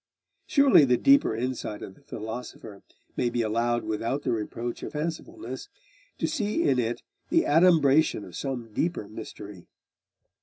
Surely the deeper insight of the philosopher may be allowed without the reproach of fancifulness, to see in it the adumbration of some deeper mystery!